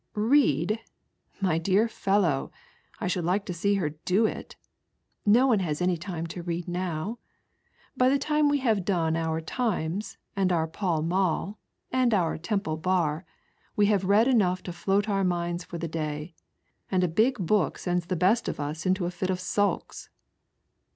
" Read ? my dear fellow, I should like to see hsr do it ! No one has any time to read now. By the time we have done our Times, and our Pall Mall, and our Temple Bar, we have read enough to float our minds for the day, and a big book sends the best of us into a fit of sulks."